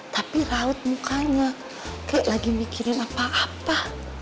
tapi raut mukanya bu lagi mikirin apa apa